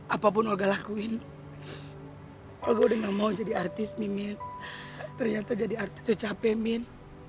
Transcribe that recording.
apapun olga lakuin olga udah gak mau jadi artis min ternyata jadi artis tuh capek min